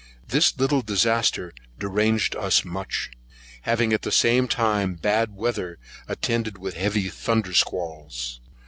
This little disaster deranged us much, having at the same time bad weather, attended with heavy thunder squals.